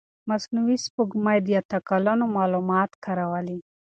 مصنوعي سپوږمکۍ د اته کلونو معلومات کارولي.